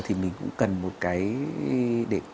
thì mình cũng cần một cái